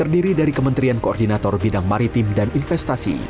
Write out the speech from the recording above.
terdiri dari kementerian koordinator bidang maritim dan investasi